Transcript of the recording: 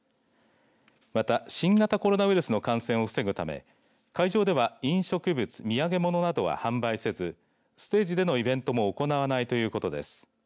また、新型コロナウイルスの感染を防ぐため会場では飲食物みやげ物などは販売せずステージでのイベントも行わないということです。